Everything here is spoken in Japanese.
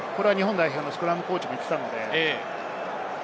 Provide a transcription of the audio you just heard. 日本代表のスクラムコーチも言っていたので。